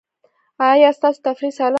ایا ستاسو تفریح سالمه ده؟